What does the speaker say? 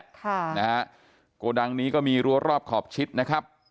ความพลังนะฮะกวดังนี้ก็มีรั่วรอบขอบชิดนะครับ